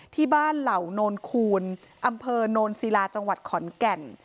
ที่บ้านเหล่านนคูณอำเภอนนสิราจังหวัดขอนแก่น